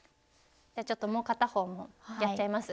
ちょっともう片方もやっちゃいます？